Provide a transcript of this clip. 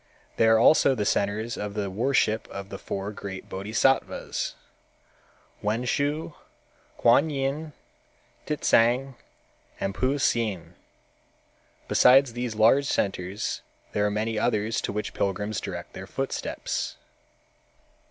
They are also the centers of the worship of the four great Bodhisattvas, Wenshu, Kuan Yin, Titsang and Puhsien. Besides these large centers there are many others to which pilgrims direct their footsteps.